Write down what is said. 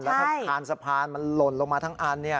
แล้วถ้าคานสะพานมันหล่นลงมาทั้งอัน